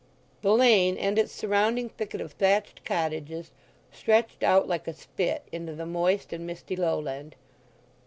The lane and its surrounding thicket of thatched cottages stretched out like a spit into the moist and misty lowland.